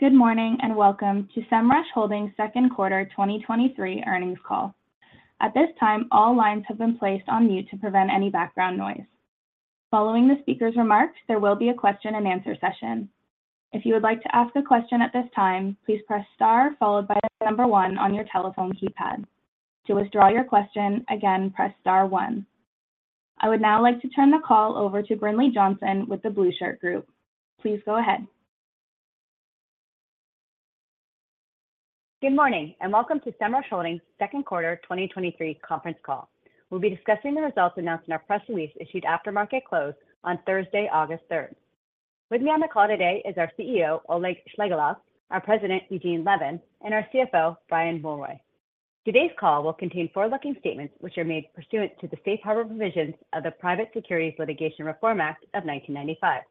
Good morning. Welcome to Semrush Holdings second quarter 2023 earnings call. At this time, all lines have been placed on mute to prevent any background noise. Following the speaker's remarks, there will be a question and answer session. If you would like to ask a question at this time, please press star followed by the number one on your telephone keypad. To withdraw your question, again, press star one. I would now like to turn the call over to Brinlea Johnson with The Blueshirt Group. Please go ahead. Good morning, welcome to Semrush Holdings second quarter 2023 conference call. We'll be discussing the results announced in our press release, issued after market close on Thursday, August 3rd. With me on the call today is our CEO, Oleg Shchegolev, our President, Eugene Levin, and our CFO, Brian Mulroy. Today's call will contain forward-looking statements, which are made pursuant to the Safe Harbor Provisions of the Private Securities Litigation Reform Act of 1995.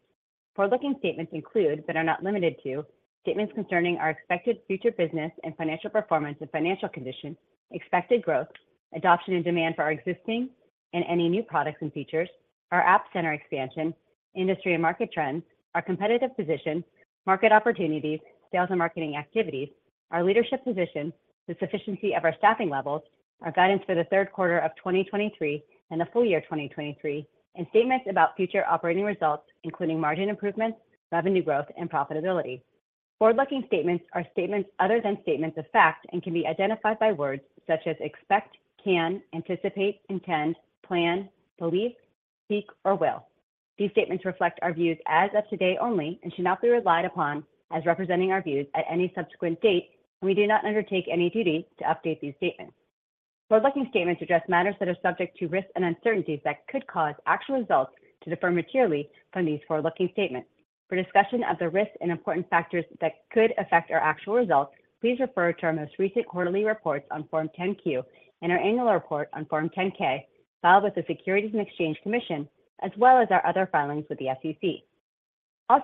Forward-looking statements include, but are not limited to, statements concerning our expected future business and financial performance and financial condition, expected growth, adoption and demand for our existing and any new products and features, our App Center expansion, industry and market trends, our competitive position, market opportunities, sales and marketing activities, our leadership position, the sufficiency of our staffing levels, our guidance for the third quarter of 2023 and the full year 2023, and statements about future operating results, including margin improvements, revenue growth, and profitability. Forward-looking statements are statements other than statements of fact, and can be identified by words such as expect, can, anticipate, intend, plan, believe, seek, or will. These statements reflect our views as of today only, and should not be relied upon as representing our views at any subsequent date, and we do not undertake any duty to update these statements. Forward-looking statements address matters that are subject to risks and uncertainties that could cause actual results to differ materially from these forward-looking statements. For discussion of the risks and important factors that could affect our actual results, please refer to our most recent quarterly reports on Form 10-Q and our annual report on Form 10-K, filed with the Securities and Exchange Commission, as well as our other filings with the SEC.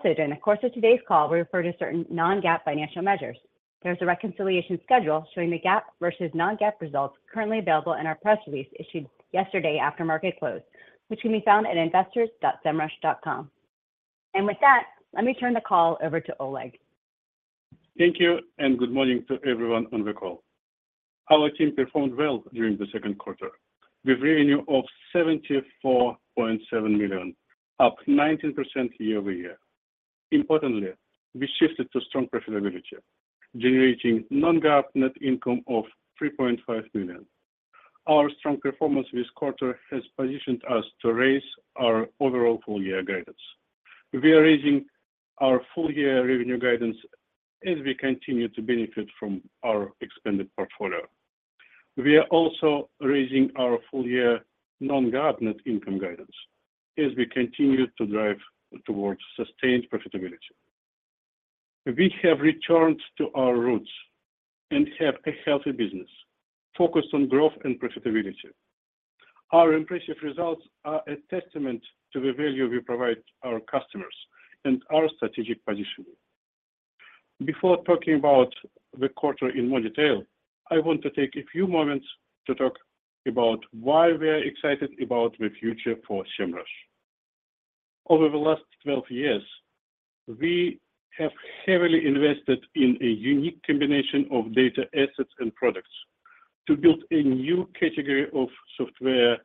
During the course of today's call, we refer to certain non-GAAP financial measures. There's a reconciliation schedule showing the GAAP versus non-GAAP results currently available in our press release issued yesterday after market close, which can be found at investors.semrush.com. With that, let me turn the call over to Oleg. Thank you, and good morning to everyone on the call. Our team performed well during the second quarter with revenue of $74.7 million, up 19% year-over-year. Importantly, we shifted to strong profitability, generating non-GAAP net income of $3.5 million. Our strong performance this quarter has positioned us to raise our overall full-year guidance. We are raising our full-year revenue guidance as we continue to benefit from our expanded portfolio. We are also raising our full-year non-GAAP net income guidance as we continue to drive towards sustained profitability. We have returned to our roots and have a healthy business focused on growth and profitability. Our impressive results are a testament to the value we provide our customers and our strategic positioning. Before talking about the quarter in more detail, I want to take a few moments to talk about why we are excited about the future for Semrush. Over the last 12 years, we have heavily invested in a unique combination of data assets and products to build a new category of software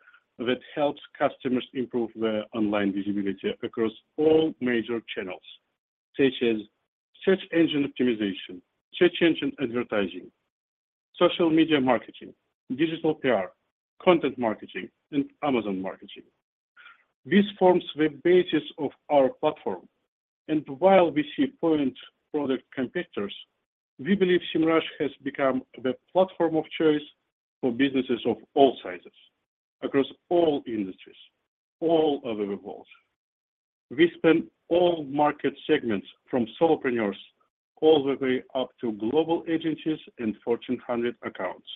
that helps customers improve their online visibility across all major channels, such as search engine optimization, search engine advertising, social media marketing, digital PR, content marketing, and Amazon marketing. This forms the basis of our platform, and while we see point product competitors, we believe Semrush has become the platform of choice for businesses of all sizes, across all industries, all over the world. We span all market segments, from solopreneurs all the way up to global agencies and Fortune 100 accounts.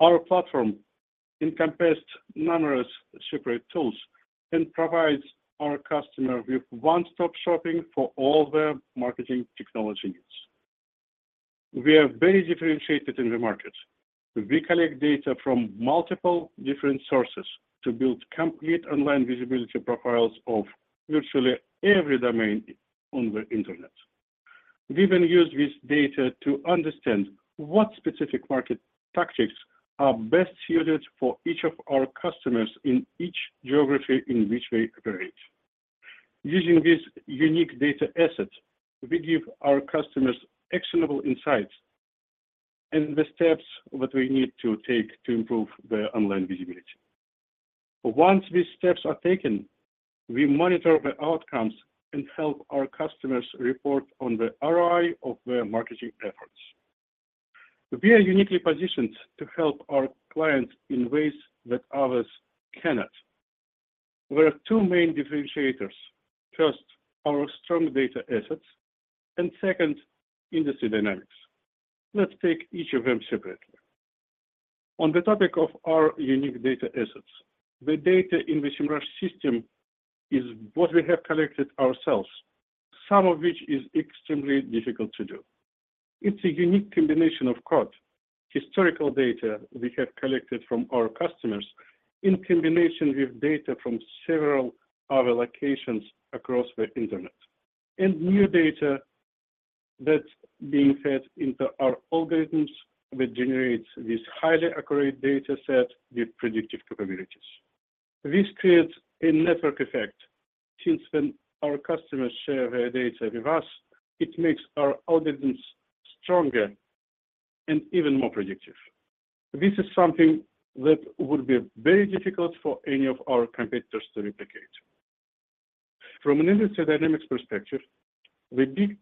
Our platform encompassed numerous separate tools and provides our customer with one-stop shopping for all their marketing technology needs. We are very differentiated in the market. We collect data from multiple different sources to build complete online visibility profiles of virtually every domain on the internet. We then use this data to understand what specific market tactics are best suited for each of our customers in each geography in which they operate. Using this unique data asset, we give our customers actionable insights and the steps that we need to take to improve their online visibility. Once these steps are taken, we monitor the outcomes and help our customers report on the ROI of their marketing efforts. We are uniquely positioned to help our clients in ways that others cannot. There are two main differentiators: first, our strong data assets, and second, industry dynamics. Let's take each of them separately. On the topic of our unique data assets, the data in the Semrush system is what we have collected ourselves, some of which is extremely difficult to do. It's a unique combination of code, historical data we have collected from our customers, in combination with data from several other locations across the internet, and new data that's being fed into our algorithms, that generates this highly accurate data set with predictive capabilities. This creates a network effect, since when our customers share their data with us, it makes our algorithms stronger and even more predictive. This is something that would be very difficult for any of our competitors to replicate. From an industry dynamics perspective, the big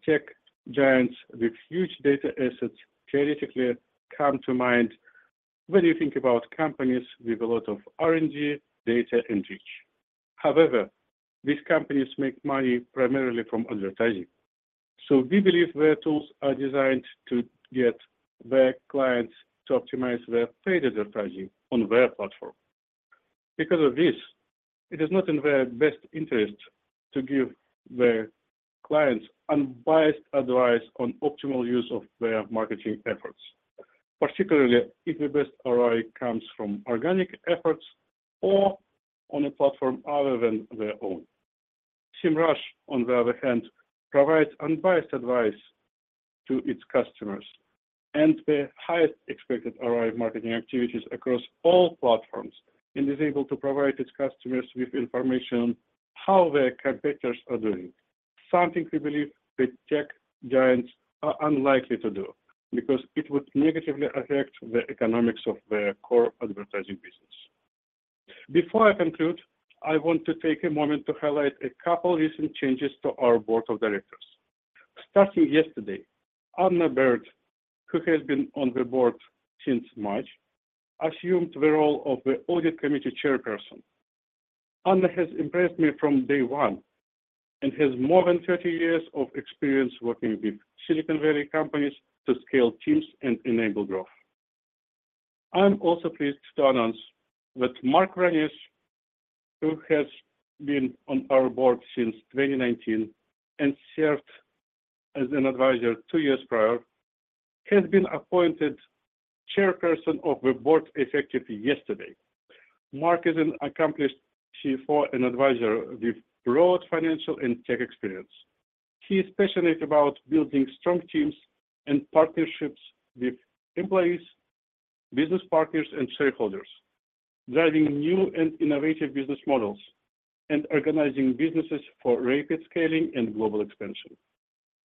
tech giants with huge data assets theoretically come to mind when you think about companies with a lot of R&D, data, and reach. However, these companies make money primarily from advertising, so we believe their tools are designed to get their clients to optimize their paid advertising on their platform. Because of this, it is not in their best interest to give their clients unbiased advice on optimal use of their marketing efforts, particularly if the best ROI comes from organic efforts or on a platform other than their own. Semrush, on the other hand, provides unbiased advice to its customers, and the highest expected ROI marketing activities across all platforms, and is able to provide its customers with information how their competitors are doing, something we believe the tech giants are unlikely to do, because it would negatively affect the economics of their core advertising business. Before I conclude, I want to take a moment to highlight a couple recent changes to our board of directors. Starting yesterday, Arne Berg, who has been on the board since March, assumed the role of the Audit Committee Chairperson. Arne has impressed me from day one, and has more than 30 years of experience working with Silicon Valley companies to scale teams and enable growth. I'm also pleased to announce that Mark Vranes, who has been on our board since 2019 and served as an advisor 2 years prior, has been appointed Chairperson of the Board, effective yesterday. Mark is an accomplished CFO and advisor with broad financial and tech experience. He is passionate about building strong teams and partnerships with employees, business partners, and shareholders, driving new and innovative business models, and organizing businesses for rapid scaling and global expansion.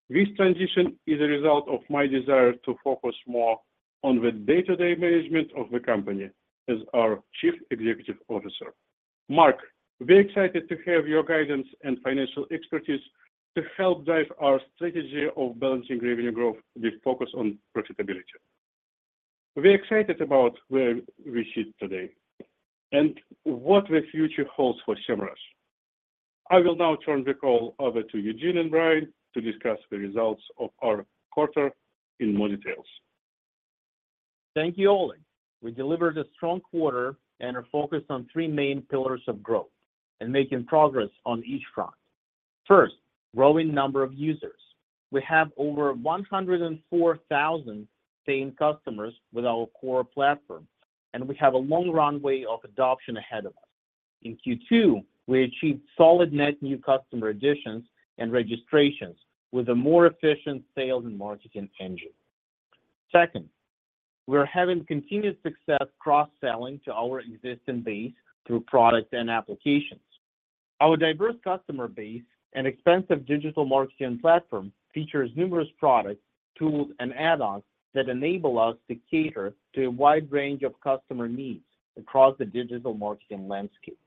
This transition is a result of my desire to focus more on the day-to-day management of the company as our Chief Executive Officer. Mark, we're excited to have your guidance and financial expertise to help drive our strategy of balancing revenue growth with focus on profitability. We're excited about where we sit today and what the future holds for Semrush. I will now turn the call over to Eugene and Brian to discuss the results of our quarter in more details. Thank you, Oleg. We delivered a strong quarter and are focused on three main pillars of growth, and making progress on each front. First, growing number of users. We have over 104,000 paying customers with our core platform, and we have a long runway of adoption ahead of us. In Q2, we achieved solid net new customer additions and registrations, with a more efficient sales and marketing engine. Second, we're having continued success cross-selling to our existing base through products and applications. Our diverse customer base and extensive digital marketing platform features numerous products, tools, and add-ons that enable us to cater to a wide range of customer needs across the digital marketing landscape.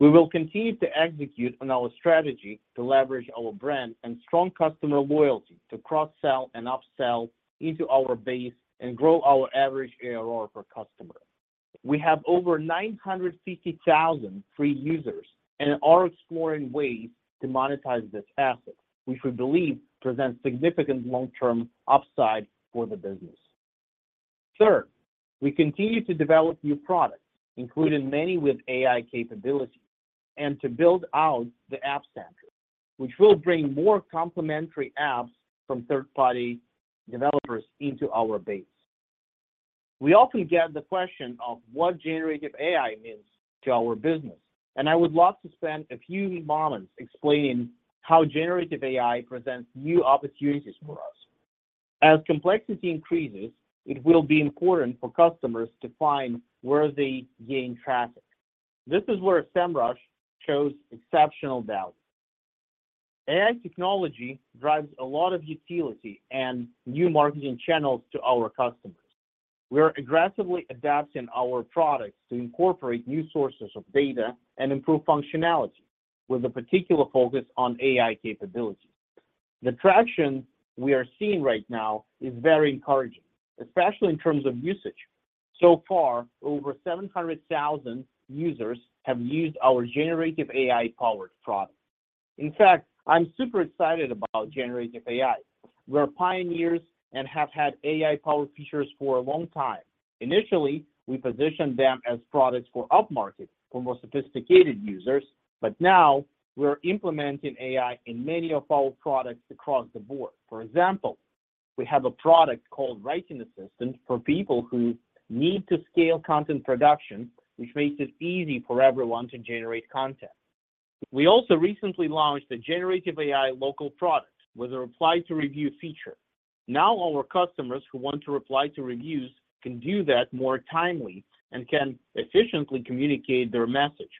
We will continue to execute on our strategy to leverage our brand and strong customer loyalty, to cross-sell and upsell into our base and grow our average ARR per customer. We have over 950,000 free users and are exploring ways to monetize this asset, which we believe presents significant long-term upside for the business. Third, we continue to develop new products, including many with AI capabilities, and to build out the App Center, which will bring more complementary apps from third-party developers into our base. We often get the question of what generative AI means to our business, I would love to spend a few moments explaining how generative AI presents new opportunities for us. As complexity increases, it will be important for customers to find where they gain traffic. This is where Semrush shows exceptional value. AI technology drives a lot of utility and new marketing channels to our customers. We are aggressively adapting our products to incorporate new sources of data and improve functionality, with a particular focus on AI capabilities. The traction we are seeing right now is very encouraging, especially in terms of usage. So far, over 700,000 users have used our generative AI-powered product. In fact, I'm super excited about generative AI. We're pioneers and have had AI-powered features for a long time. Initially, we positioned them as products for upmarket, for more sophisticated users, Now we're implementing AI in many of our products across the board. For example, we have a product called Writing Assistant for people who need to scale content production, which makes it easy for everyone to generate content. We also recently launched a generative AI local product with a reply to review feature. Now, all our customers who want to reply to reviews can do that more timely and can efficiently communicate their message.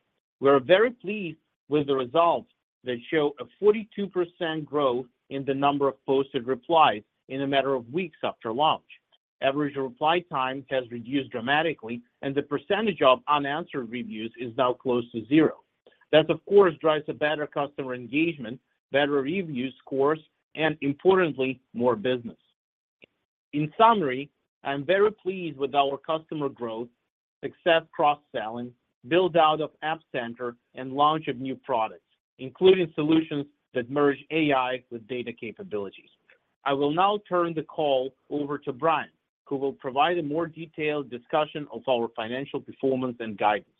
We are very pleased with the results that show a 42% growth in the number of posted replies in a matter of weeks after launch. Average reply time has reduced dramatically, and the percentage of unanswered reviews is now close to zero. That, of course, drives a better customer engagement, better review scores, and importantly, more business. In summary, I'm very pleased with our customer growth, success cross-selling, build-out of App Center, and launch of new products, including solutions that merge AI with data capabilities. I will now turn the call over to Brian, who will provide a more detailed discussion of our financial performance and guidance.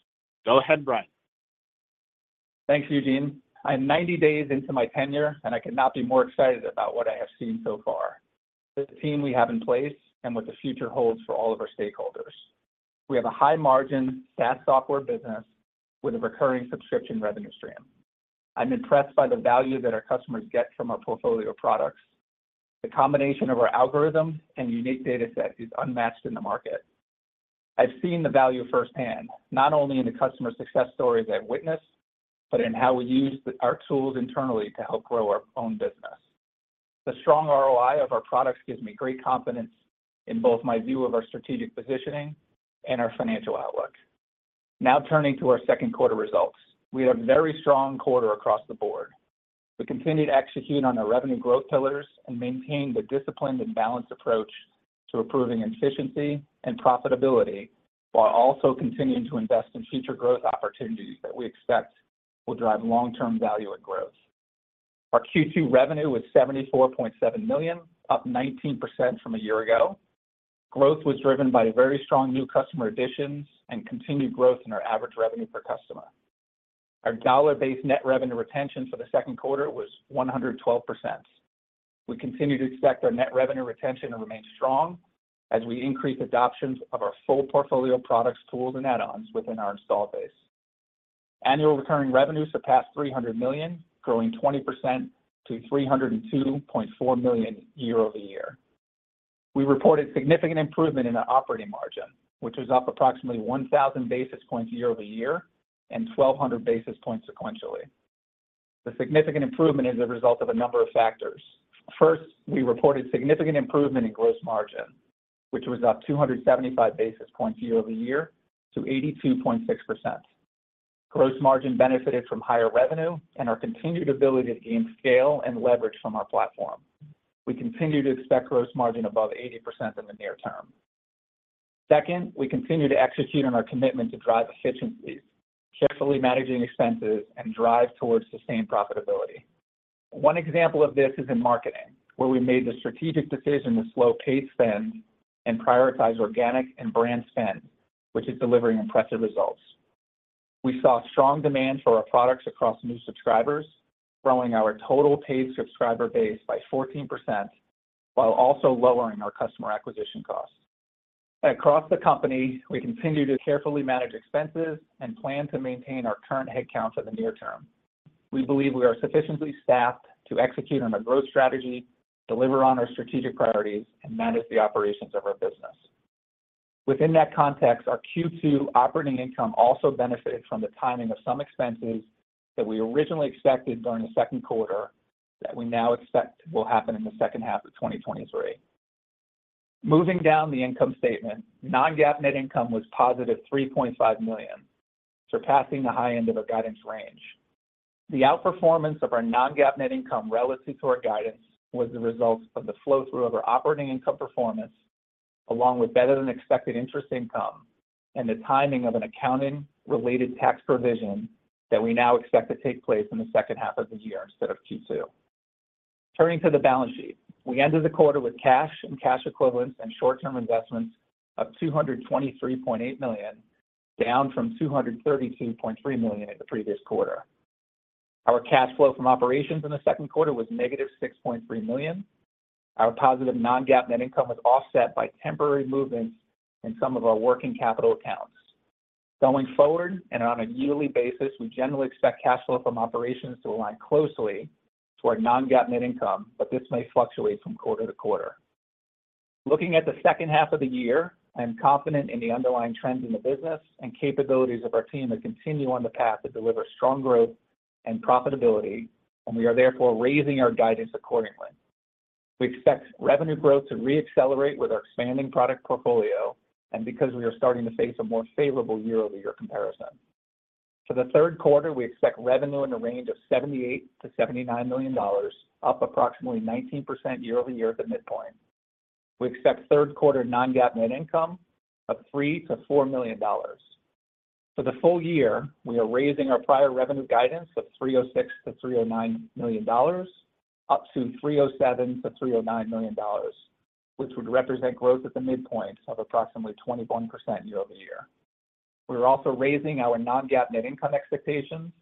Go ahead, Brian. Thanks, Eugene. I'm 90 days into my tenure. I could not be more excited about what I have seen so far, the team we have in place, and what the future holds for all of our stakeholders. We have a high margin, fast software business with a recurring subscription revenue stream. I'm impressed by the value that our customers get from our portfolio of products. The combination of our algorithm and unique data set is unmatched in the market. I've seen the value firsthand, not only in the customer success stories I've witnessed, but in how we use our tools internally to help grow our own business. The strong ROI of our products gives me great confidence in both my view of our strategic positioning and our financial outlook. Turning to our second quarter results. We had a very strong quarter across the board. We continued to execute on our revenue growth pillars and maintain the disciplined and balanced approach to improving efficiency and profitability, while also continuing to invest in future growth opportunities that we expect will drive long-term value and growth. Our Q2 revenue was $74.7 million, up 19% from a year ago. Growth was driven by very strong new customer additions and continued growth in our average revenue per customer. Our dollar-based net revenue retention for the second quarter was 112%. We continue to expect our net revenue retention to remain strong as we increase adoptions of our full portfolio of products, tools, and add-ons within our install base. Annual recurring revenues surpassed $300 million, growing 20% to $302.4 million year-over-year. We reported significant improvement in our operating margin, which was up approximately 1,000 basis points year-over-year and 1,200 basis points sequentially. The significant improvement is a result of a number of factors. First, we reported significant improvement in gross margin, which was up 275 basis points year-over-year to 82.6%. Gross margin benefited from higher revenue and our continued ability to gain scale and leverage from our platform. We continue to expect gross margin above 80% in the near term. Second, we continue to execute on our commitment to drive efficiencies, carefully managing expenses and drive towards sustained profitability. One example of this is in marketing, where we made the strategic decision to slow paid spend and prioritize organic and brand spend, which is delivering impressive results. We saw strong demand for our products across new subscribers, growing our total paid subscriber base by 14%, while also lowering our customer acquisition costs. Across the company, we continue to carefully manage expenses and plan to maintain our current head count for the near term. We believe we are sufficiently staffed to execute on our growth strategy, deliver on our strategic priorities, and manage the operations of our business. Within that context, our Q2 operating income also benefited from the timing of some expenses that we originally expected during the second quarter that we now expect will happen in the second half of 2023. Moving down the income statement, non-GAAP net income was positive $3.5 million, surpassing the high end of our guidance range. The outperformance of our non-GAAP net income relative to our guidance was the result of the flow-through of our operating income performance, along with better-than-expected interest income and the timing of an accounting-related tax provision that we now expect to take place in the second half of the year instead of Q2. Turning to the balance sheet, we ended the quarter with cash and cash equivalents and short-term investments of $223.8 million, down from $232.3 million in the previous quarter. Our cash flow from operations in the second quarter was negative $6.3 million. Our positive non-GAAP net income was offset by temporary movements in some of our working capital accounts. Going forward, and on a yearly basis, we generally expect cash flow from operations to align closely to our non-GAAP net income, but this may fluctuate from quarter-to-quarter. Looking at the second half of the year, I am confident in the underlying trends in the business and capabilities of our team to continue on the path to deliver strong growth and profitability, and we are therefore raising our guidance accordingly. We expect revenue growth to re-accelerate with our expanding product portfolio and because we are starting to face a more favorable year-over-year comparison. For the third quarter, we expect revenue in the range of $78 million-$79 million, up approximately 19% year-over-year at the midpoint. We expect third quarter non-GAAP net income of $3 million-$4 million. For the full year, we are raising our prior revenue guidance of $306 million-$309 million, up to $307 million-$309 million, which would represent growth at the midpoint of approximately 21% year-over-year. We're also raising our non-GAAP net income expectations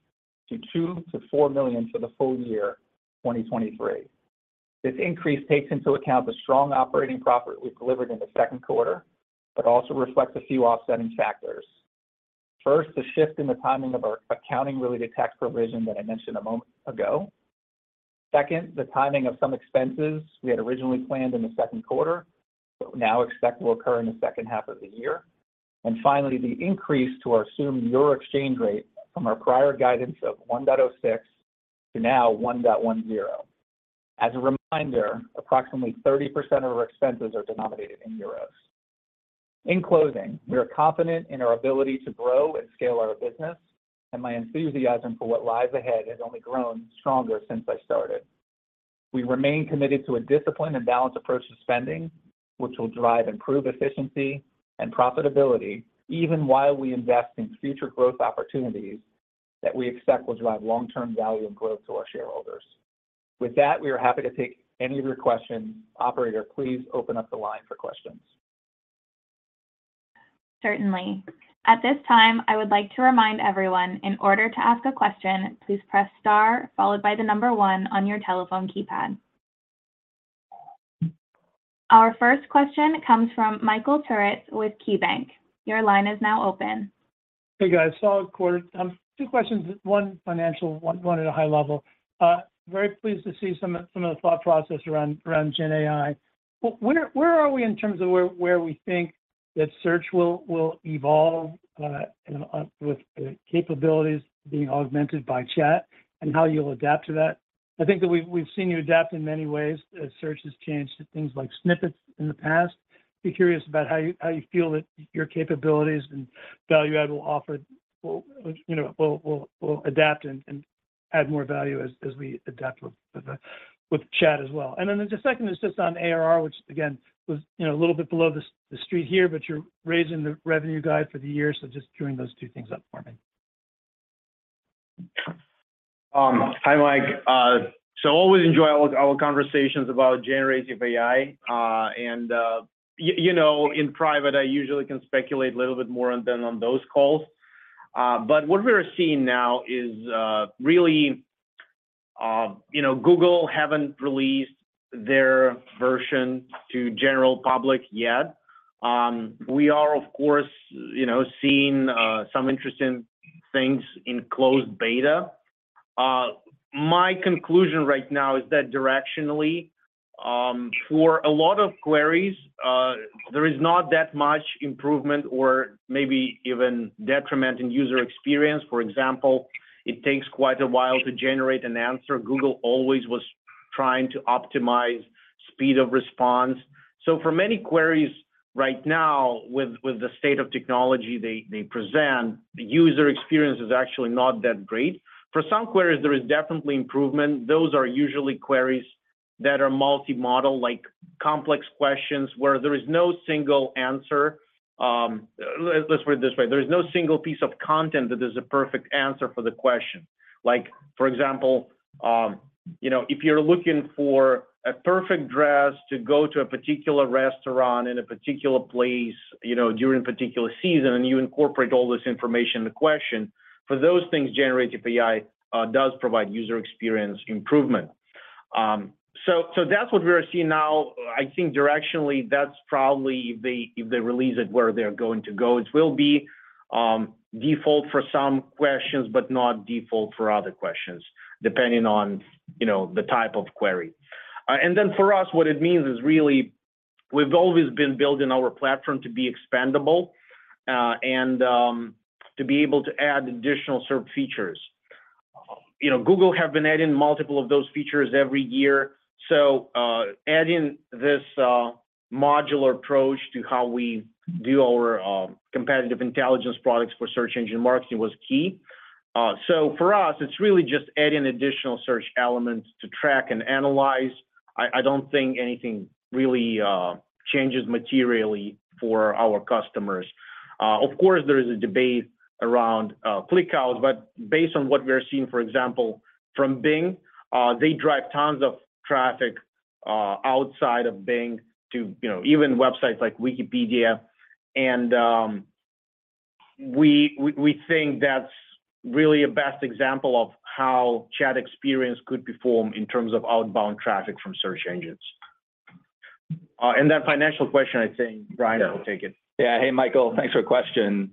to $2 million-$4 million for the full year 2023. This increase takes into account the strong operating profit we delivered in the second quarter, also reflects a few offsetting factors. First, a shift in the timing of our accounting-related tax provision that I mentioned a moment ago. Second, the timing of some expenses we had originally planned in the second quarter, but now expect will occur in the second half of the year. Finally, the increase to our assumed euro exchange rate from our prior guidance of 1.06 to now 1.10. As a reminder, approximately 30% of our expenses are denominated in euros. In closing, we are confident in our ability to grow and scale our business, and my enthusiasm for what lies ahead has only grown stronger since I started. We remain committed to a disciplined and balanced approach to spending, which will drive improved efficiency and profitability, even while we invest in future growth opportunities that we expect will drive long-term value and growth to our shareholders. With that, we are happy to take any of your questions. Operator, please open up the line for questions. Certainly. At this time, I would like to remind everyone, in order to ask a question, please press star followed by the one on your telephone keypad. Our first question comes from Michael Turits with KeyBanc. Your line is now open. Hey, guys, solid quarter. Two questions: one financial, one, one at a high level. Very pleased to see some, some of the thought process around, around GenAI. Where, where are we in terms of where, where we think that search will, will evolve, with the capabilities being augmented by chat and how you'll adapt to that? I think that we've, we've seen you adapt in many ways as search has changed to things like snippets in the past. Be curious about how you, how you feel that your capabilities and value add will offer... will, which, you know, will, will, will adapt and, and add more value as, as we adapt with the, with the chat as well. The second is just on ARR, which, again, was, you know, a little bit below the street here, but you're raising the revenue guide for the year. Just joining those two things up for me. Hi, Mike. Always enjoy our conversations about generative AI. And, you know, in private, I usually can speculate a little bit more on than on those calls. What we are seeing now is, you know, Google haven't released their version to general public yet. We are, of course, you know, seeing some interesting things in closed beta. My conclusion right now is that directionally, for a lot of queries, there is not that much improvement or maybe even detriment in user experience. For example, it takes quite a while to generate an answer. Google always was trying to optimize speed of response. For many queries right now, with, with the state of technology they, they present, the user experience is actually not that great. For some queries, there is definitely improvement. Those are usually queries that are multi-modal, like complex questions, where there is no single answer. Let's put it this way, there is no single piece of content that is a perfect answer for the question. Like, for example, you know, if you're looking for a perfect dress to go to a particular restaurant in a particular place, you know, during a particular season, and you incorporate all this information in the question, for those things, generative AI does provide user experience improvement. That's what we are seeing now. I think directionally, that's probably if they, if they release it, where they're going to go. It will be, default for some questions, but not default for other questions, depending on, you know, the type of query. Then for us, what it means is really, we've always been building our platform to be expandable, and to be able to add additional search features. You know, Google have been adding multiple of those features every year, so adding this modular approach to how we do our competitive intelligence products for search engine marketing was key. For us, it's really just adding additional search elements to track and analyze. I, I don't think anything really changes materially for our customers. There is a debate around click-out, but based on what we are seeing, for example, from Bing, they drive tons of traffic outside of Bing to, you know, even websites like Wikipedia. We, we, we think that's really a best example of how chat experience could perform in terms of outbound traffic from search engines. That financial question, I think Brian will take it. Yeah. Hey, Michael. Thanks for the question.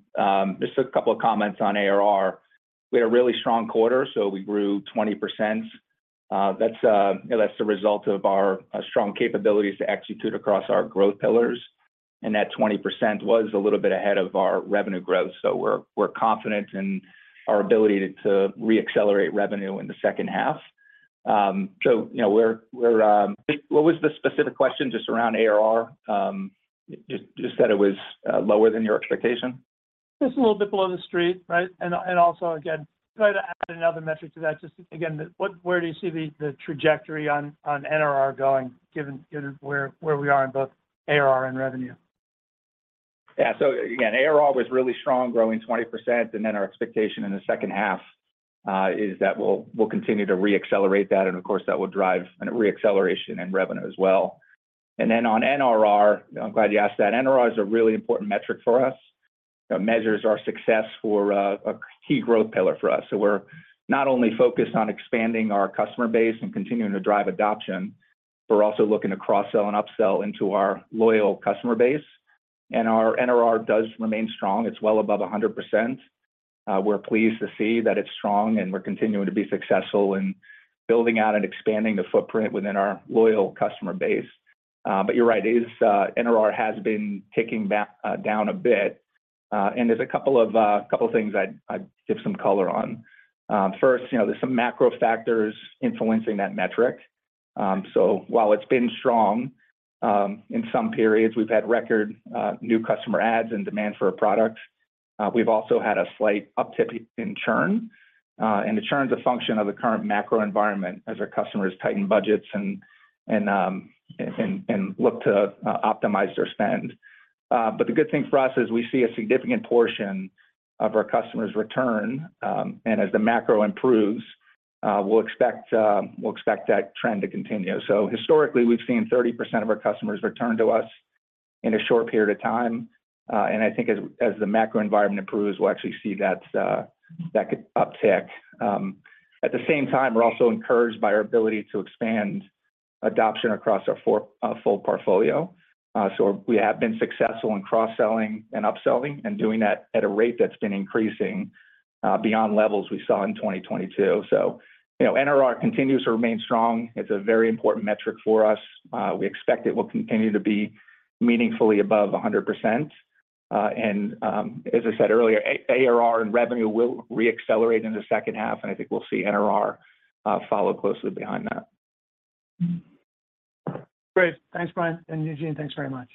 Just a couple of comments on ARR. We had a really strong quarter, we grew 20%. That's, that's the result of our strong capabilities to execute across our growth pillars, and that 20% was a little bit ahead of our revenue growth. We're, we're What was the specific question just around ARR? You just said it was lower than your expectation? Just a little bit below the street, right? Also, again, try to add another metric to that. Just again, where do you see the, the trajectory on, on NRR going, given, given where, where we are in both ARR and revenue? Yeah. Again, ARR was really strong, growing 20%, and then our expectation in the second half is that we'll, we'll continue to reaccelerate that, and of course, that will drive a reacceleration in revenue as well. Then on NRR, I'm glad you asked that. NRR is a really important metric for us. It measures our success for a key growth pillar for us. So we're not only focused on expanding our customer base and continuing to drive adoption, we're also looking to cross-sell and upsell into our loyal customer base, and our NRR does remain strong. It's well above 100%. We're pleased to see that it's strong, and we're continuing to be successful in building out and expanding the footprint within our loyal customer base. You're right, it is NRR has been ticking back down a bit, and there's a couple of couple of things I'd- I'd give some color on. First, you know, there's some macro factors influencing that metric. While it's been strong, in some periods, we've had record new customer adds and demand for our products. We've also had a slight uptick in churn, and the churn's a function of the current macro environment as our customers tighten budgets and, and, and, and look to optimize their spend. The good thing for us is we see a significant portion of our customers return, and as the macro improves, we'll expect we'll expect that trend to continue. Historically, we've seen 30% of our customers return to us in a short period of time, and I think as the macro environment improves, we'll actually see that uptick. At the same time, we're also encouraged by our ability to expand adoption across our full portfolio. We have been successful in cross-selling and upselling and doing that at a rate that's been increasing beyond levels we saw in 2022. You know, NRR continues to remain strong. It's a very important metric for us. We expect it will continue to be meaningfully above 100%. As I said earlier, ARR and revenue will re-accelerate in the second half, and I think we'll see NRR follow closely behind that. Great. Thanks, Brian and Eugene. Thanks very much.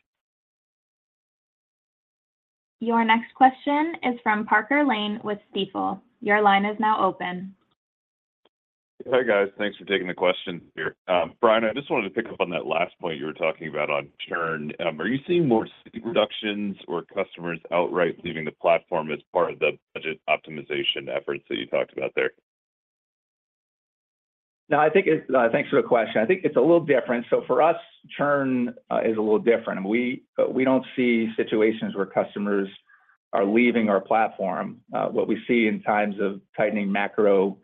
Your next question is from Parker Lane with Stifel. Your line is now open. Hi, guys. Thanks for taking the question here. Brian, I just wanted to pick up on that last point you were talking about on churn. Are you seeing more reductions or customers outright leaving the platform as part of the budget optimization efforts that you talked about there? No, I think it... thanks for the question. I think it's a little different. For us, churn is a little different. We, we don't see situations where customers are leaving our platform. What we see in times of tightening macroeconomic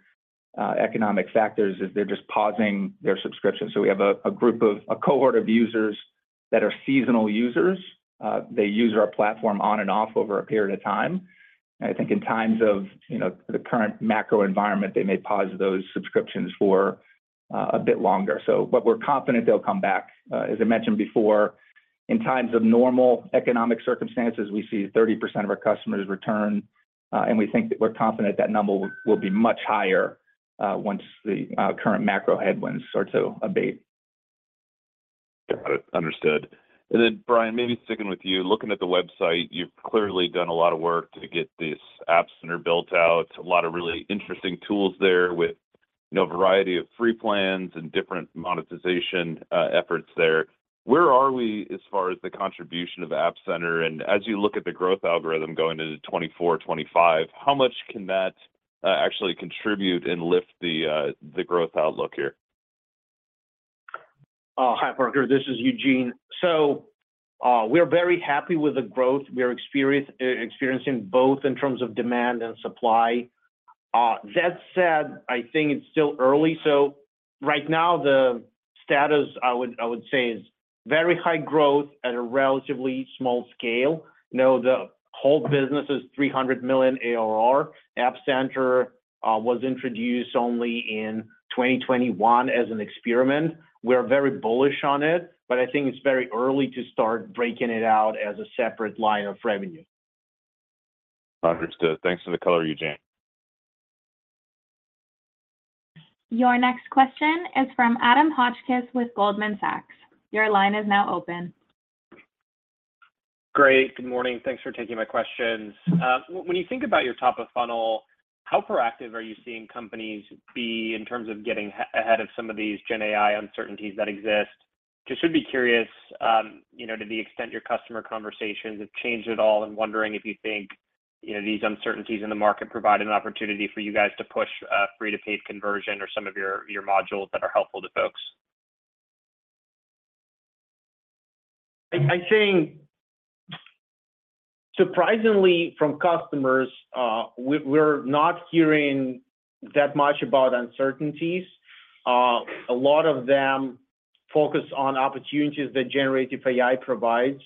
factors is they're just pausing their subscription. We have a, a group of- a cohort of users that are seasonal users. They use our platform on and off over a period of time. I think in times of, you know, the current macro environment, they may pause those subscriptions for a bit longer, so. We're confident they'll come back. As I mentioned before, in times of normal economic circumstances, we see 30% of our customers return, and we think that we're confident that number will, will be much higher, once the current macro headwinds start to abate. Got it. Understood. Then, Brian, maybe sticking with you. Looking at the website, you've clearly done a lot of work to get this App Center built out, a lot of really interesting tools there with, you know, a variety of free plans and different monetization efforts there. Where are we as far as the contribution of App Center? As you look at the growth algorithm going into 2024, 2025, how much can that actually contribute and lift the growth outlook here? Hi, Parker. This is Eugene. We're very happy with the growth we are experiencing both in terms of demand and supply. That said, I think it's still early. Right now, the status, I would, I would say, is very high growth at a relatively small scale. You know, the whole business is $300 million ARR. App Center was introduced only in 2021 as an experiment. We're very bullish on it, I think it's very early to start breaking it out as a separate line of revenue. Understood. Thanks for the color, Eugene. Your next question is from Adam Hotchkiss with Goldman Sachs. Your line is now open. Great. Good morning. Thanks for taking my questions. When you think about your top of funnel, how proactive are you seeing companies be in terms of getting ahead of some of these GenAI uncertainties that exist? Just would be curious, you know, to the extent your customer conversations have changed at all. I'm wondering if you think, you know, these uncertainties in the market provide an opportunity for you guys to push a free-to-paid conversion or some of your, your modules that are helpful to folks? I, I think, surprisingly from customers, we're not hearing that much about uncertainties. A lot of them focus on opportunities that generative AI provides.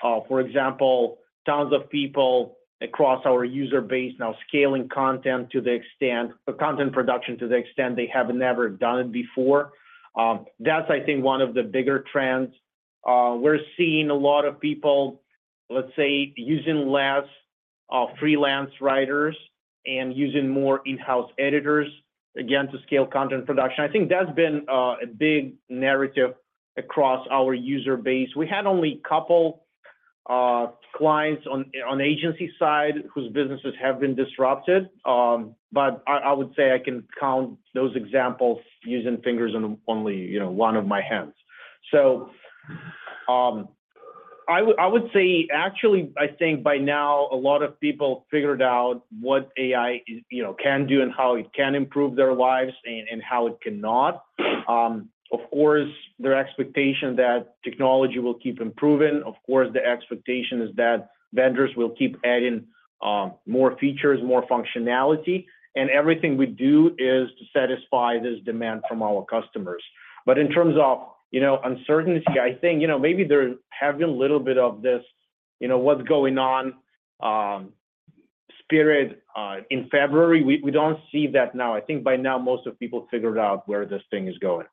For example, thousands of people across our user base now scaling content to the extent content production to the extent they have never done it before. That's, I think, one of the bigger trends. We're seeing a lot of people, let's say, using less freelance writers and using more in-house editors, again, to scale content production. I think that's been a big narrative across our user base. We had only a couple clients on the agency side whose businesses have been disrupted, but I, I would say I can count those examples using fingers on only, you know, one of my hands. I would, I would say actually, I think by now a lot of people figured out what AI is, you know, can do and how it can improve their lives and, and how it cannot. Of course, their expectation that technology will keep improving. Of course, the expectation is that vendors will keep adding, more features, more functionality, and everything we do is to satisfy this demand from our customers. In terms of, you know, uncertainty, I think, you know, maybe they're having a little bit of this, you know, what's going on, spirit, in February. We, we don't see that now. I think by now most of people figured out where this thing is going.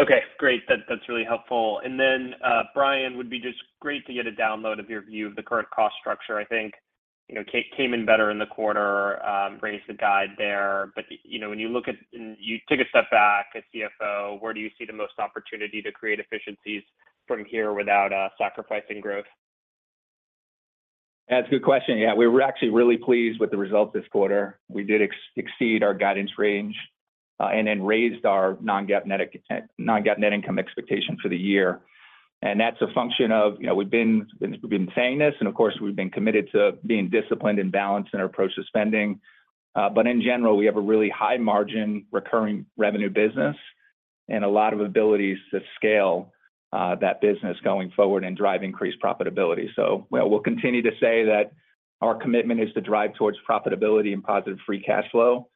Okay, great. That, that's really helpful. Then, Brian, would be just great to get a download of your view of the current cost structure. I think, you know, came in better in the quarter, raised the guide there. You know, when you look at when you take a step back as CFO, where do you see the most opportunity to create efficiencies from here without sacrificing growth? That's a good question. Yeah, we were actually really pleased with the results this quarter. We did exceed our guidance range, and then raised our non-GAAP net income expectation for the year. That's a function of, you know, we've been, we've been saying this, and of course, we've been committed to being disciplined and balanced in our approach to spending. In general, we have a really high margin recurring revenue business and a lot of abilities to scale that business going forward and drive increased profitability. Well, we'll continue to say that our commitment is to drive towards profitability and positive free cash flow.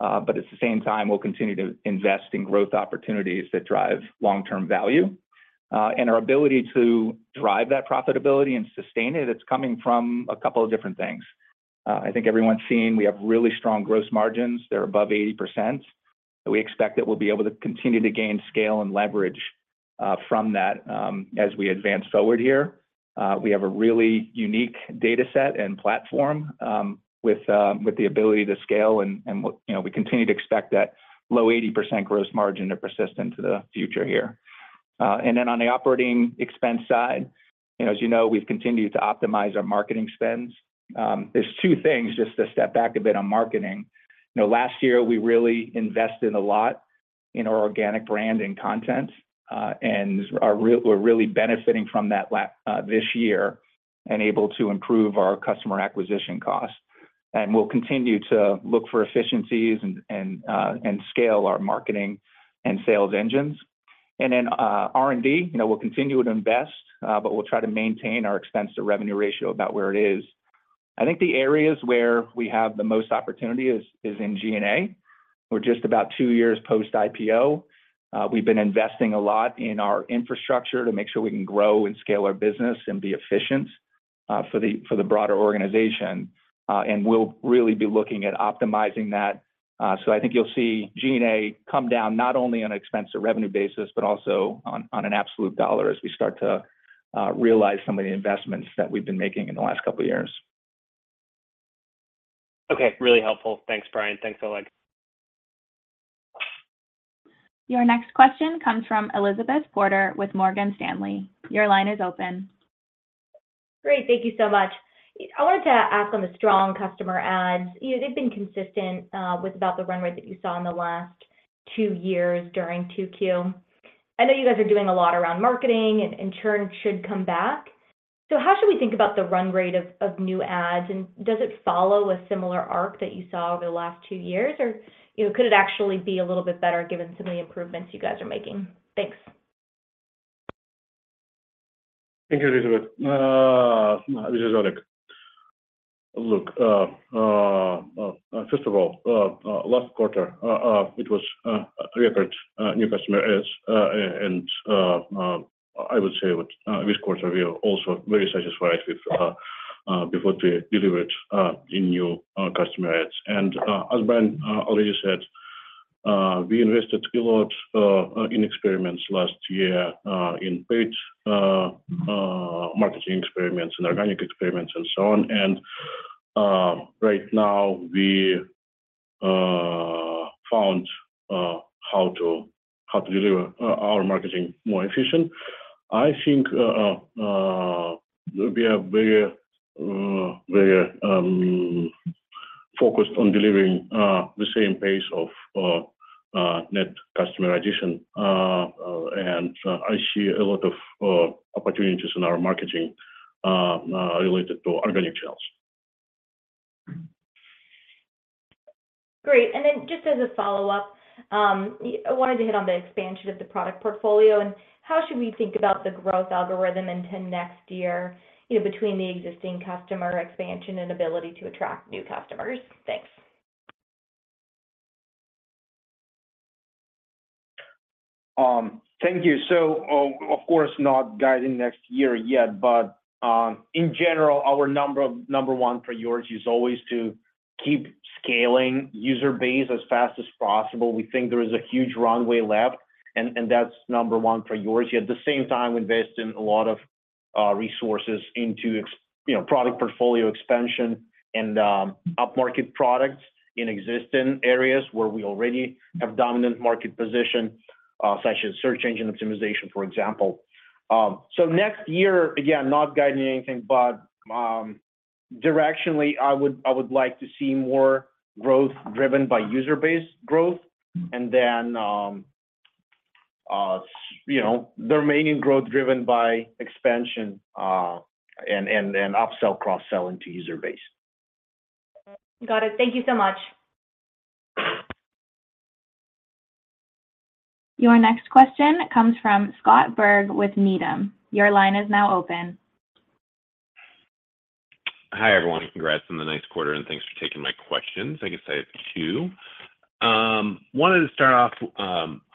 At the same time, we'll continue to invest in growth opportunities that drive long-term value. Our ability to drive that profitability and sustain it, it's coming from a couple of different things. I think everyone's seen we have really strong gross margins. They're above 80%. We expect that we'll be able to continue to gain scale and leverage from that as we advance forward here. We have a really unique data set and platform with the ability to scale, and, you know, we continue to expect that low 80% gross margin to persist into the future here. Then on the operating expense side, you know, as you know, we've continued to optimize our marketing spends. There's two things just to step back a bit on marketing. You know, last year, we really invested a lot in our organic brand and content, and we're really benefiting from that this year and able to improve our customer acquisition costs. We'll continue to look for efficiencies and, and scale our marketing and sales engines. Then, R&D, you know, we'll continue to invest, but we'll try to maintain our expense to revenue ratio about where it is. I think the areas where we have the most opportunity is, is in G&A. We're just about two years post-IPO. We've been investing a lot in our infrastructure to make sure we can grow and scale our business and be efficient, for the, for the broader organization. We'll really be looking at optimizing that. I think you'll see G&A come down not only on an expense to revenue basis, but also on, on an absolute dollar as we start to realize some of the investments that we've been making in the last couple of years. Okay. Really helpful. Thanks, Brian. Thanks, Oleg. Your next question comes from Elizabeth Porter with Morgan Stanley. Your line is open. Great. Thank you so much. I wanted to ask on the strong customer adds. You know, they've been consistent, with about the run rate that you saw in the last two years during 2Q. I know you guys are doing a lot around marketing and in turn should come back. How should we think about the run rate of, of new adds, and does it follow a similar arc that you saw over the last two years, or, you know, could it actually be a little bit better given some of the improvements you guys are making? Thanks. Thank you, Elizabeth. This is Oleg. Look, first of all, last quarter, it was a record new customer adds, and I would say with this quarter, we are also very satisfied with what we delivered in new customer adds. As Brian already said, we invested a lot in experiments last year, in paid marketing experiments and organic experiments and so on. Right now, we found how to, how to deliver our, our marketing more efficient. I think we are very, very focused on delivering the same pace of net customer addition. I see a lot of opportunities in our marketing related to organic channels. Great. Just as a follow-up, I wanted to hit on the expansion of the product portfolio, and how should we think about the growth algorithm into next year, you know, between the existing customer expansion and ability to attract new customers? Thanks. Thank you. Of course, not guiding next year yet, but, in general, our number, number one priority is always to keep scaling user base as fast as possible. We think there is a huge runway left, and, and that's number one priority. At the same time, invest in a lot of resources into you know, product portfolio expansion and upmarket products in existing areas where we already have dominant market position, such as search engine optimization, for example. Next year, again, not guiding anything, but directionally, I would, I would like to see more growth driven by user base growth, and then, you know, the remaining growth driven by expansion, and, and, and upsell, cross-sell into user base. Got it. Thank you so much. Your next question comes from Scott Berg with Needham. Your line is now open. Hi, everyone. Congrats on the nice quarter, and thanks for taking my questions. I guess I have two. Wanted to start off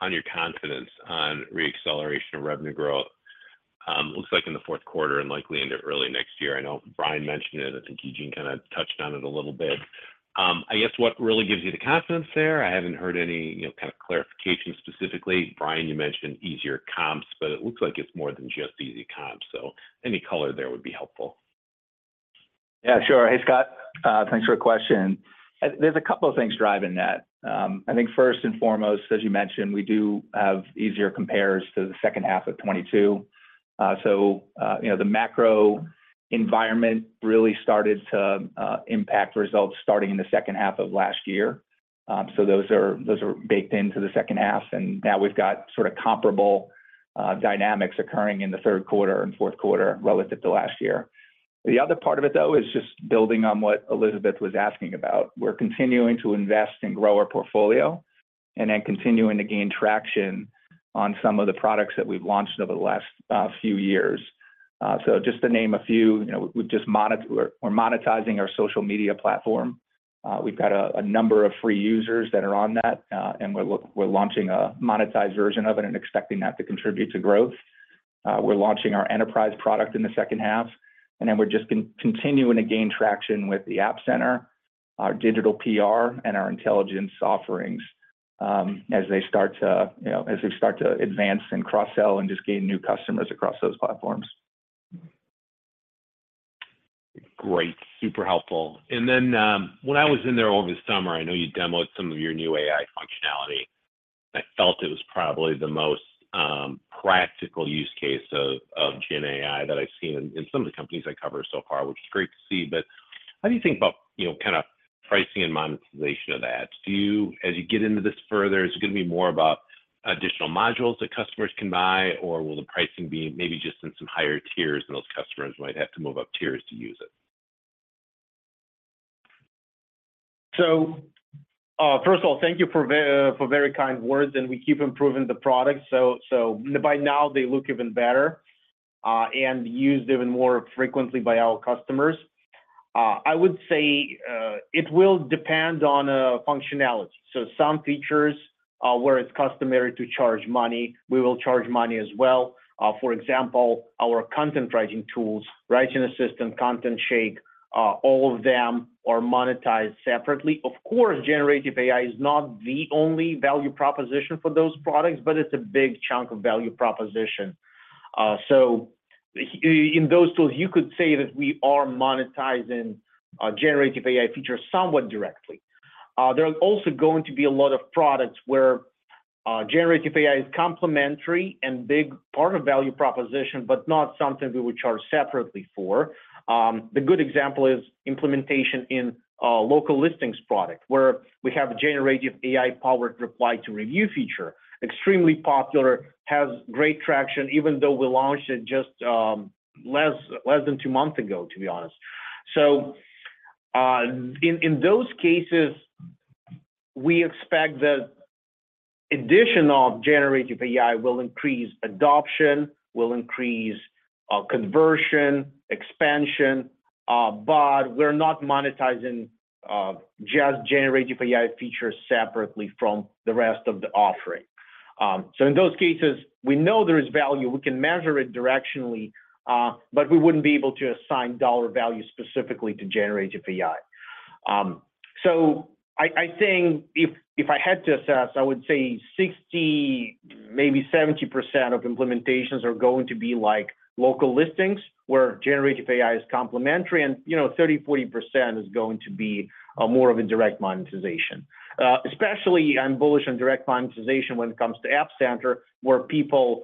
on your confidence on re-acceleration of revenue growth. Looks like in the 4th quarter and likely into early next year. I know Brian mentioned it. I think Eugene kind of touched on it a little bit. I guess what really gives you the confidence there? I haven't heard any, you know, kind of clarification specifically. Brian, you mentioned easier comps, but it looks like it's more than just easy comps, so any color there would be helpful. Yeah, sure. Hey, Scott. Thanks for your question. There's a couple of things driving that. I think first and foremost, as you mentioned, we do have easier compares to the second half of 2022. You know, the macro environment really started to impact results starting in the second half of last year. Those are, those are baked into the second half, and now we've got sort of comparable dynamics occurring in the third quarter and fourth quarter relative to last year. The other part of it, though, is just building on what Elizabeth was asking about. We're continuing to invest and grow our portfolio, and then continuing to gain traction on some of the products that we've launched over the last few years. Just to name a few, you know, we've just moni- we're, we're monetizing our social media platform. We've got a, a number of free users that are on that, and we're look- we're launching a monetized version of it and expecting that to contribute to growth. We're launching our enterprise product in the second half, then we're just con- continuing to gain traction with the App Center, our digital PR, and our intelligence offerings, as they start to, you know, as they start to advance and cross-sell and just gain new customers across those platforms. Great, super helpful. Then, when I was in there over the summer, I know you demoed some of your new AI functionality. I felt it was probably the most, practical use case of, of GenAI that I've seen in, in some of the companies I cover so far, which is great to see. How do you think about, you know, kind of pricing and monetization of that? Do you... As you get into this further, is it gonna be more about additional modules that customers can buy, or will the pricing be maybe just in some higher tiers, and those customers might have to move up tiers to use it? First of all, thank you for very kind words, and we keep improving the product. So by now, they look even better, and used even more frequently by our customers. I would say, it will depend on functionality. Some features, where it's customary to charge money, we will charge money as well. For example, our content writing tools, Writing Assistant, ContentShake, all of them are monetized separately. Of course, generative AI is not the only value proposition for those products, but it's a big chunk of value proposition. In those tools, you could say that we are monetizing generative AI features somewhat directly. There are also going to be a lot of products where generative AI is complementary and big part of value proposition, but not something we would charge separately for. The good example is implementation in a local listings product, where we have a generative AI-powered reply to review feature. Extremely popular, has great traction, even though we launched it just less than two months ago, to be honest. In those cases, we expect that additional generative AI will increase adoption, will increase conversion, expansion, but we're not monetizing just generative AI features separately from the rest of the offering. In those cases, we know there is value, we can measure it directionally, but we wouldn't be able to assign dollar value specifically to generative AI. I, I think if, if I had to assess, I would say 60%, maybe 70% of implementations are going to be like local listings, where generative AI is complementary, and, you know, 30%, 40% is going to be more of a direct monetization. Especially I'm bullish on direct monetization when it comes to App Center, where people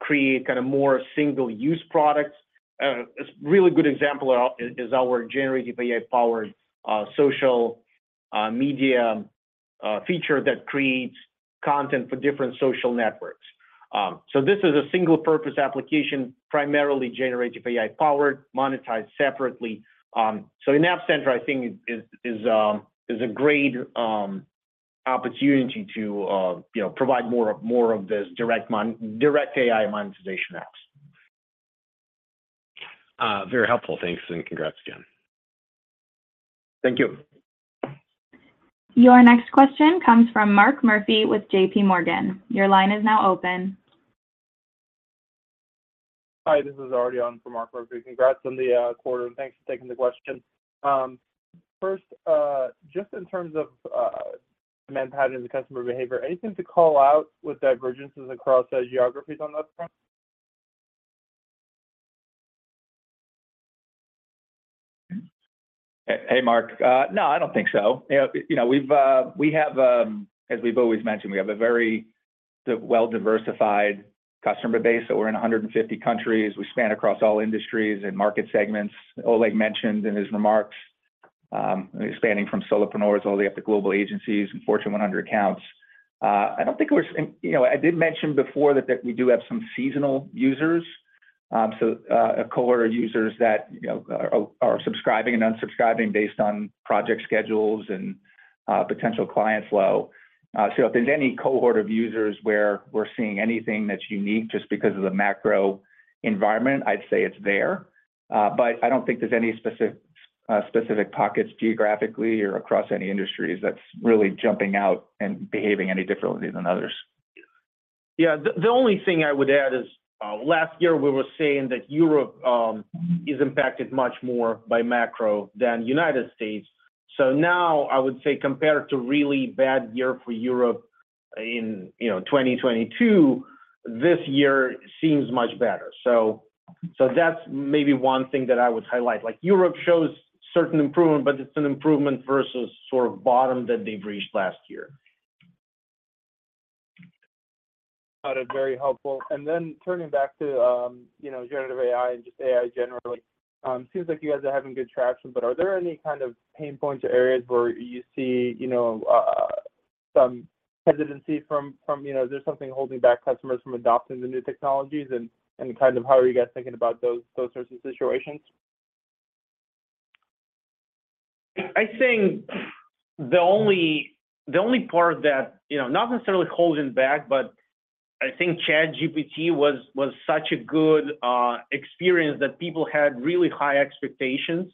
create kind of more single-use products. A really good example is, is our generative AI-powered social media feature that creates content for different social networks. This is a single-purpose application, primarily generative AI-powered, monetized separately. In App Center, I think is, is a great opportunity to, you know, provide more of, more of this direct AI monetization apps. Very helpful. Thanks, and congrats again. Thank you. Your next question comes from Mark Murphy with JPMorgan. Your line is now open. Hi, this is Ariane from Mark Murphy. Congrats on the quarter, and thanks for taking the question. First, just in terms of demand patterns and customer behavior, anything to call out with divergences across the geographies on that front? Hey, hey, Mark. No, I don't think so. You know, you know, we've, we have, as we've always mentioned, we have a very, well-diversified customer base. So we're in 150 countries. We span across all industries and market segments. Oleg mentioned in his remarks, expanding from solopreneurs all the way up to global agencies and Fortune 100 accounts. I don't think we're-- And, you know, I did mention before that, that we do have some seasonal users. So, a cohort of users that, you know, are, are subscribing and unsubscribing based on project schedules and potential client flow. So if there's any cohort of users where we're seeing anything that's unique just because of the macro environment, I'd say it's there. I don't think there's any specific, specific pockets geographically or across any industries that's really jumping out and behaving any differently than others. Yeah. The, the only thing I would add is, last year we were saying that Europe is impacted much more by macro than United States. Now I would say compared to really bad year for Europe in, you know, 2022, this year seems much better. That's maybe one thing that I would highlight. Like Europe shows certain improvement, but it's an improvement versus sort of bottom that they've reached last year. Got it. Very helpful. Turning back to, you know, generative AI and just AI generally, seems like you guys are having good traction, but are there any kind of pain points or areas where you see, you know, some hesitancy from, you know, something holding back customers from adopting the new technologies? Kind of how are you guys thinking about those, those sorts of situations? I think the only, the only part that, you know, not necessarily holding back, but I think ChatGPT was, was such a good experience that people had really high expectations.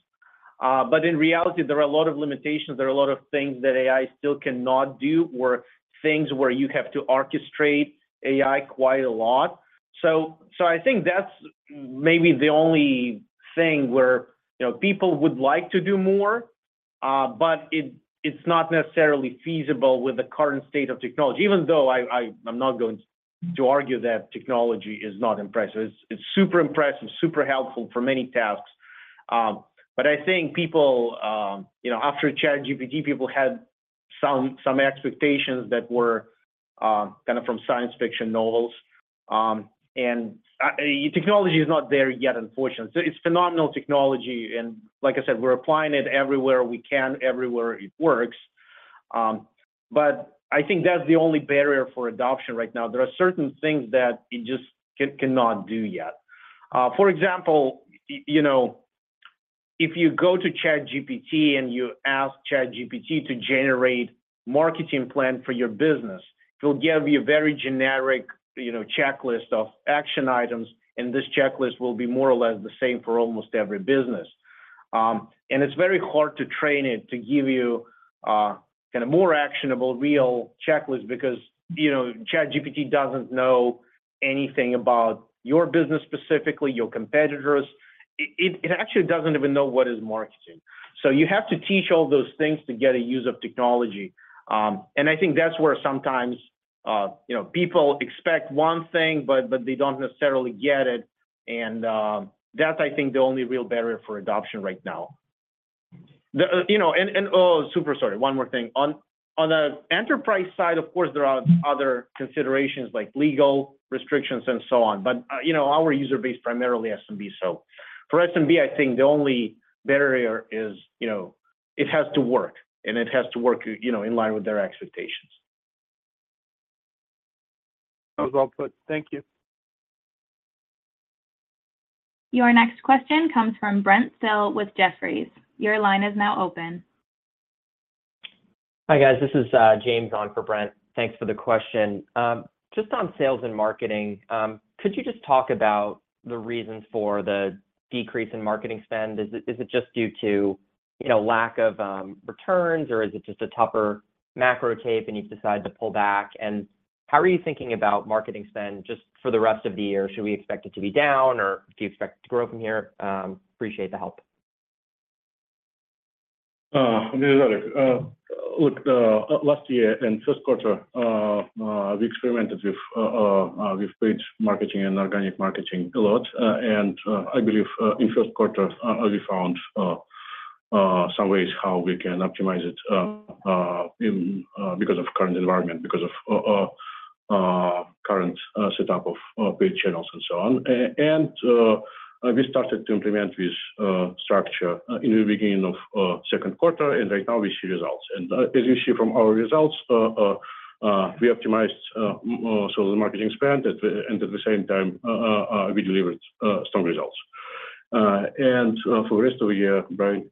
In reality, there are a lot of limitations. There are a lot of things that AI still cannot do, or things where you have to orchestrate AI quite a lot. I think that's maybe the only thing where, you know, people would like to do more, but it, it's not necessarily feasible with the current state of technology. Even though I, I, I'm not going to argue that technology is not impressive. It's, it's super impressive, super helpful for many tasks. I think people, you know, after ChatGPT, people had some, some expectations that were kind of from science fiction novels. Technology is not there yet, unfortunately. It's phenomenal technology, and like I said, we're applying it everywhere we can, everywhere it works. I think that's the only barrier for adoption right now. There are certain things that it just cannot do yet. For example, you know, if you go to ChatGPT, and you ask ChatGPT to generate marketing plan for your business, it'll give you a very generic, you know, checklist of action items, and this checklist will be more or less the same for almost every business. It's very hard to train it to give you, kind of more actionable, real checklist because, you know, ChatGPT doesn't know anything about your business, specifically, your competitors. It actually doesn't even know what is marketing. You have to teach all those things to get a use of technology. I think that's where sometimes, you know, people expect one thing, but they don't necessarily get it. That's, I think, the only real barrier for adoption right now. You know, super sorry, one more thing. On the enterprise side, of course, there are other considerations like legal restrictions and so on, but, you know, our user base primarily SMB. For SMB, I think the only barrier is, you know, it has to work, and it has to work, you know, in line with their expectations. That was well put. Thank you. Your next question comes from Brent Thill with Jefferies. Your line is now open. Hi, guys. This is James on for Brent. Thanks for the question. Just on sales and marketing, could you just talk about the reasons for the decrease in marketing spend? Is it, is it just due to, you know, lack of returns, or is it just a tougher macro tape, and you've decided to pull back? How are you thinking about marketing spend just for the rest of the year? Should we expect it to be down, or do you expect it to grow from here? Appreciate the help. Look, last year in first quarter, we experimented with paid marketing and organic marketing a lot, and I believe in first quarter, we found some ways how we can optimize it because of current environment, because of current setup of paid channels and so on. We started to implement this structure in the beginning of second quarter, and right now we see results. As you see from our results, we optimized so the marketing spend, and at the same time, we delivered strong results. For the rest of the year, Brian?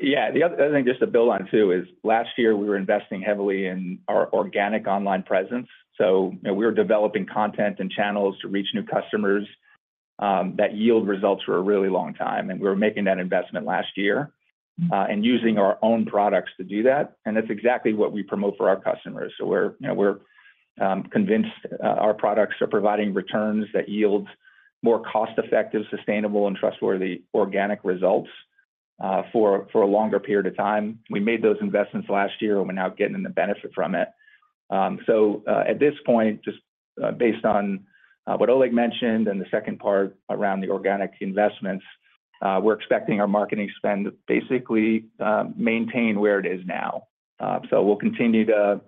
Yeah, the other thing just to build on too, is last year we were investing heavily in our organic online presence. You know, we were developing content and channels to reach new customers that yield results for a really long time, and we were making that investment last year, and using our own products to do that, and that's exactly what we promote for our customers. We're, you know, we're convinced our products are providing returns that yield more cost-effective, sustainable, and trustworthy organic results for, for a longer period of time. We made those investments last year, and we're now getting the benefit from it. At this point, just based on what Oleg mentioned in the second part around the organic investments, we're expecting our marketing spend to basically maintain where it is now. We'll continue to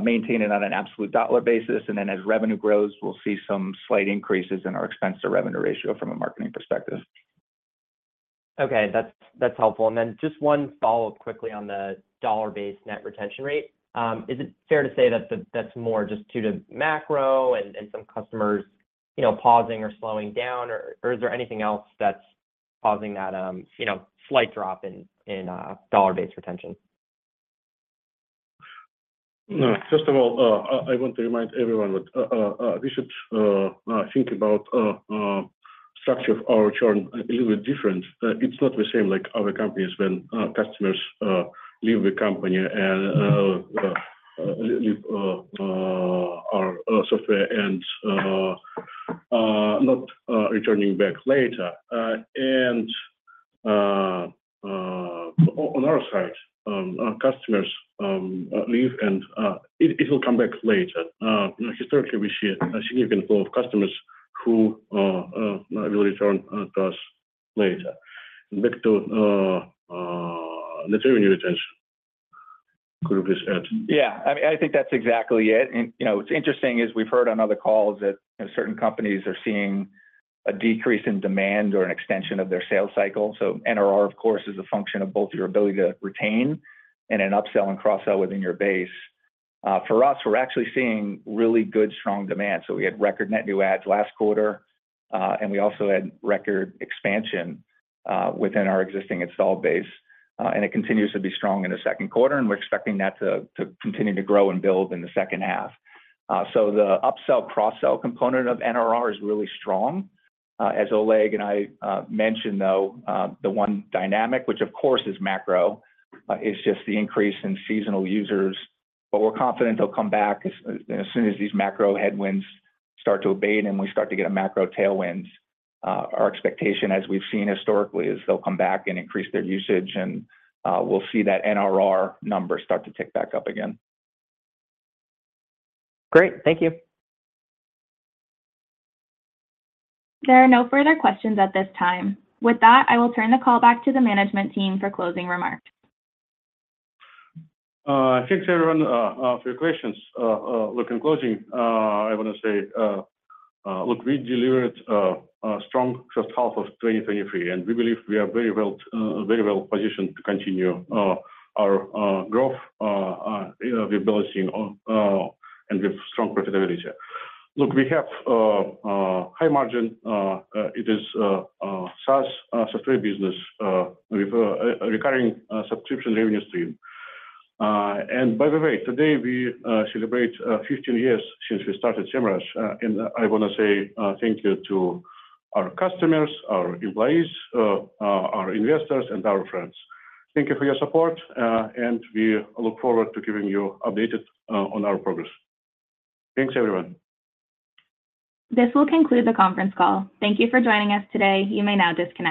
maintain it on an absolute dollar basis, and then as revenue grows, we'll see some slight increases in our expense to revenue ratio from a marketing perspective. Okay, that's, that's helpful. Then just one follow-up quickly on the dollar-based net retention rate. Is it fair to say that, that's more just due to macro and some customers, you know, pausing or slowing down, or is there anything else that's causing that, you know, slight drop in dollar-based retention? No. First of all, I, I want to remind everyone that we should think about structure of our churn a little bit different. It's not the same like other companies when customers leave the company and leave our software and not returning back later. On our side, our customers leave and it, it will come back later. You know, historically, we see a significant flow of customers who will return to us later. Back to the revenue retention could please add? Yeah, I mean, I think that's exactly it. You know, what's interesting is we've heard on other calls that, you know, certain companies are seeing a decrease in demand or an extension of their sales cycle. NRR, of course, is a function of both your ability to retain and an upsell and cross-sell within your base. For us, we're actually seeing really good, strong demand. We had record net new adds last quarter, and we also had record expansion within our existing installed base. It continues to be strong in the second quarter, and we're expecting that to continue to grow and build in the second half. The upsell, cross-sell component of NRR is really strong. As Oleg and I mentioned, though, the one dynamic, which of course is macro, is just the increase in seasonal users. We're confident they'll come back as, as soon as these macro headwinds start to abate, and we start to get a macro tailwind. Our expectation, as we've seen historically, is they'll come back and increase their usage, and we'll see that NRR number start to tick back up again. Great. Thank you. There are no further questions at this time. With that, I will turn the call back to the management team for closing remarks. Thanks, everyone, for your questions. Look, in closing, I wanna say, look, we delivered a strong first half of 2023, and we believe we are very well positioned to continue our growth, the ability, and with strong profitability. Look, we have high margin, it is a SaaS software business with a recurring subscription revenue stream. By the way, today we celebrate 15 years since we started Semrush, and I wanna say thank you to our customers, our employees, our investors and our friends. Thank you for your support, and we look forward to keeping you updated on our progress. Thanks, everyone. This will conclude the conference call. Thank you for joining us today. You may now disconnect.